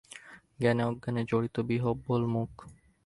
জ্ঞানে অজ্ঞানে জড়িত বিহ্বল মুখ।